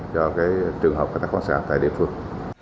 cho trường hợp khai thác khoáng sản tại địa phương